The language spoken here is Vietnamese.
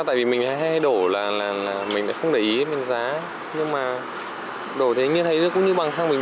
tại vì mình hay đổ là mình lại không để ý đến giá nhưng mà đổ như thế cũng như bằng xăng bình